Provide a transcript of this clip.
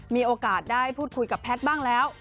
มีโอกาสได้พูดคุยกับแพทย์บ้างแล้ว